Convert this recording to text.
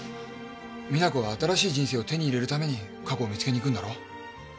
実那子が新しい人生を手に入れるために過去を見つけに行くんだろ？